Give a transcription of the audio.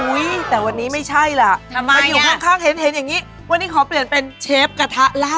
แต่วันนี้ไม่ใช่ล่ะทำไมมาอยู่ข้างเห็นเห็นอย่างนี้วันนี้ขอเปลี่ยนเป็นเชฟกระทะล่า